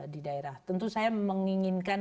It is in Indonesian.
di daerah tentu saya menginginkan